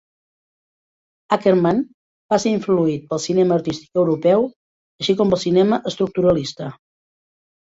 Akerman va ser influït pel cinema artístic europeu, així com pel cinema estructuralista.